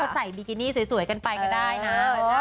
ใส่บิกินี่สวยกันไปก็ได้นะ